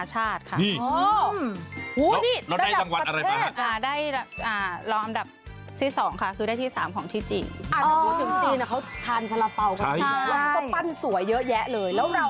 ใช่ค่ะไปแข่ง